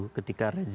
haknya tidak ada